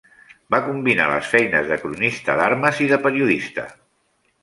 Va combinar les feines de cronista d'armes i de periodista.